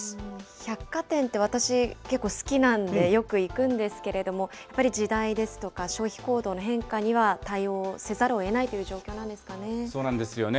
百貨店って、私、結構好きなんで、よく行くんですけれども、やっぱり時代ですとか、消費行動の変化には対応せざるをえないとそうなんですよね。